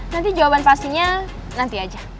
nanti jawaban pastinya nanti aja